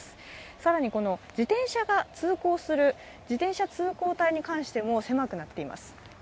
更に自転車が通行する自転車通行帯に関しても狭くなっています。